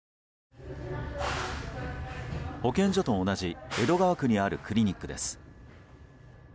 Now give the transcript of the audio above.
保健所と同じ江戸川区にあるクリニックです。